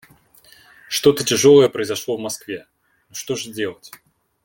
Что-то тяжелое произошло в Москве... Ну что же делать?..